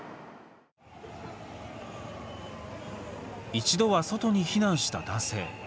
一度は外に避難した男性。